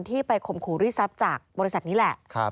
ที่ไปข่มขู่รีดทรัพย์จากบริษัทนี้แหละ